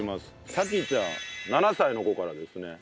さきちゃん７歳の子からですね。